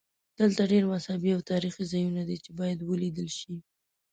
دلته ډېر مذهبي او تاریخي ځایونه دي چې باید ولیدل شي.